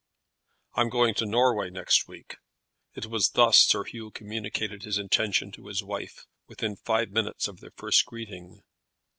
"I'm going to Norway next week." It was thus Sir Hugh communicated his intention to his wife within five minutes of their first greeting.